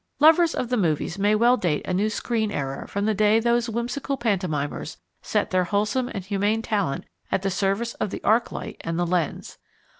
Lovers of the movies may well date a new screen era from the day those whimsical pantomimers set their wholesome and humane talent at the service of the arc light and the lens.